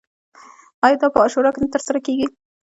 آیا دا په عاشورا کې نه ترسره کیږي؟